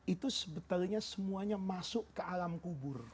itu sebetulnya semuanya masuk ke alam kubur